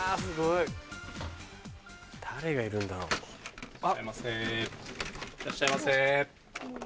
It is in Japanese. いらっしゃいませ。